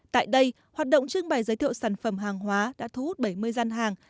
tại đây hoạt động chương bài giới thiệu sản phẩm hàng hóa đã thu hút bảy mươi gian hàng